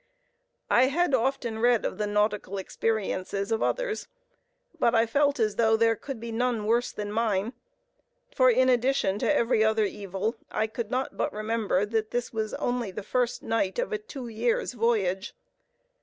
I had often read of the nautical experiences of others, but I felt as though there could be none worse than mine; for in addition to every other evil, I could not but remember that this was only the first night of a two years' voyage.